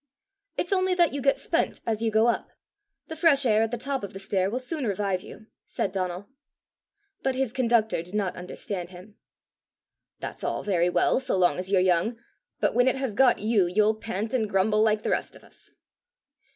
"It's only that you get spent as you go up. The fresh air at the top of the stair will soon revive you," said Donal. But his conductor did not understand him. "That's all very well so long as you're young; but when it has got you, you'll pant and grumble like the rest of us."